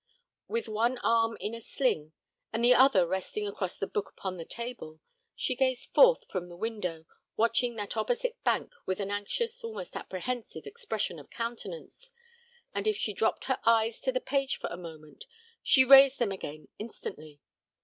With one arm in a sling, and the other resting across the book upon the table, she gazed forth from the window, watching that opposite bank with an anxious, almost apprehensive expression of countenance, and if she dropped her eyes to the page for a moment, she raised them again instantly.